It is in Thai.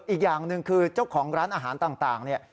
อีกอย่างหนึ่งคือเจ้าของร้านอาหารต่างเนี่ย